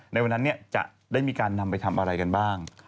ในวันนั้นจะได้มีการนำไปทำอะไรกันบ้าง